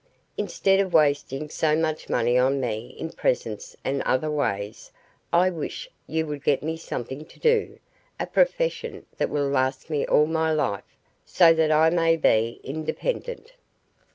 Instead of wasting so much money on me in presents and other ways, I wish you would get me something to do, a profession that will last me all my life, so that I may be independent."